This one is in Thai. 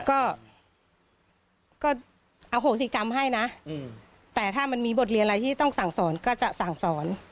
ก็ก็อโหสิกรรมให้นะแต่ถ้ามันมีบทเรียนอะไรที่ต้องสั่งสอนก็จะสั่งสอน